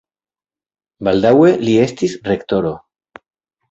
Baldaŭe li estis rektoro.